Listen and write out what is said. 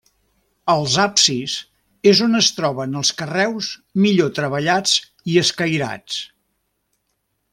Als absis és on es troben els carreus millor treballats i escairats.